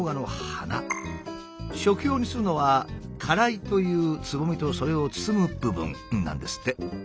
食用にするのは「花蕾」というつぼみとそれを包む部分なんですって。